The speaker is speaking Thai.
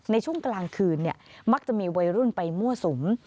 ในช่วงกลางคืนมักจะมีวัยรุ่นไปมั่วสุม